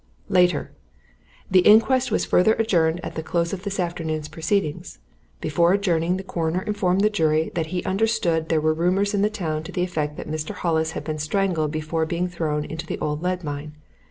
"'Later. The inquest was further adjourned at the close of this afternoon's proceedings. Before adjourning, the Coroner informed the jury that he understood there were rumours in the town to the effect that Mr. Hollis had been strangled before being thrown into the old lead mine.